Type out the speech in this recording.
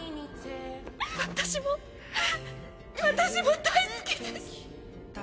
私も私も大好きです！